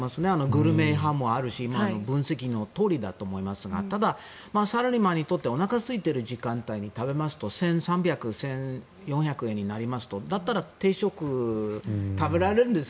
グルメ派もあるし今の分析のとおりだと思いますがただ、サラリーマンにとっておなかがすいている時間帯に食べますと１３００、１４００円になりますとだったら定食を食べられるんです。